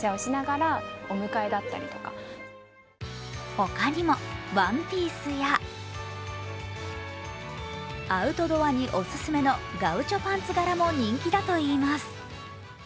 他にもワンピースや、アウトドアにオススメのガウチョパンツ柄も人気だといいます。